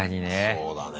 そうだね。